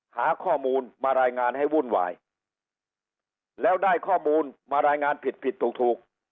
หาข้อมูลมารายงานให้วุ่นวายแล้วได้ข้อมูลมารายงานผิดผิดถูก